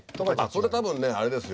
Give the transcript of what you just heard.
それ多分ねあれですよ